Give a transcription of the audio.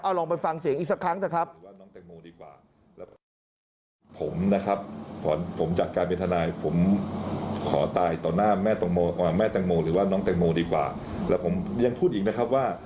เอาลองไปฟังเสียงอีกสักครั้งสิครับ